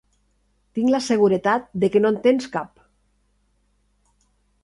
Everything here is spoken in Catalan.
Tinc la seguretat de que no en tens cap.